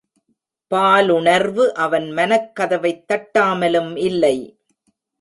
பாலுணர்வு அவன் மனக் கதவைத் தட்டாமலும் இல்லை!